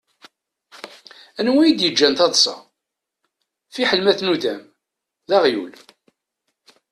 Anwa i d-yeǧǧan taḍsa? Fiḥel ma tnudam: D aɣyul.